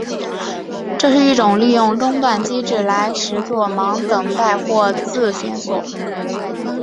这是一种利用中断机制来实作忙等待或自旋锁。